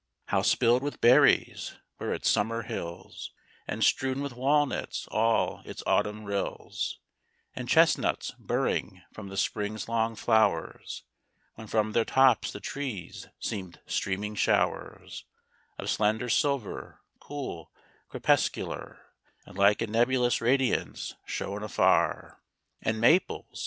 How spilled with berries were its summer hills, And strewn with walnuts all its autumn rills And chestnuts, burring from the spring's long flowers! When from their tops the trees seemed streaming showers Of slender silver, cool, crepuscular, And like a nebulous radiance shone afar. And maples!